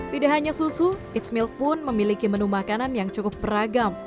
tidak hanya susu eat's milk pun memiliki menu makanan yang cukup beragam